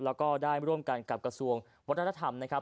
แล้วก็ได้ร่วมกันกับกระทรวงวัฒนธรรมนะครับ